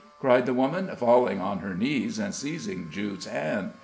cried the woman, falling on her knees, and seizing Jude's hand.